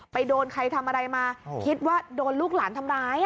โดนใครทำอะไรมาคิดว่าโดนลูกหลานทำร้าย